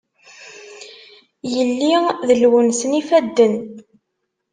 Yelli d lwens n yifadden.